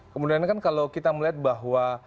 kemudian kan kalau kita melihat bahwa